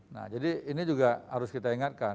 nah jadi ini juga harus kita ingatkan